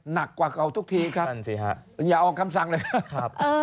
หนักกว่าเก่าทุกทีครับนั่นสิฮะอย่าออกคำสั่งเลยครับ